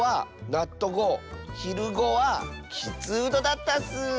「ひるご」は「きつうど」だったッス！